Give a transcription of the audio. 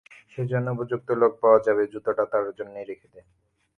সেজন্যে উপযুক্ত লোক পাওয়া যাবে, জুতোটা তাঁরই জন্যে রেখে দে।